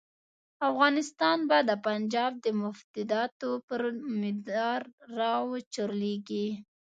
افغانستان به د پنجاب د مفاداتو پر مدار را وچورلېږي.